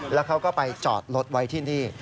แล้วเขาก็ไปจอดรถไว้ที่นี่